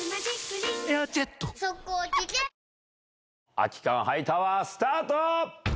空き缶ハイタワー、スタート。